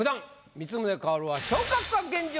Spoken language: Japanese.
光宗薫は昇格か⁉現状